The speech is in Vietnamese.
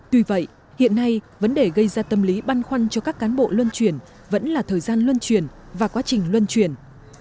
tuy vậy hiện nay vấn đề gây ra tâm lý băn khoăn cho các cán bộ luân chuyển vẫn là thời gian luân chuyển và quá trình luân chuyển